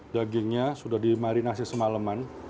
dagingnya sudah dimarinasi semaleman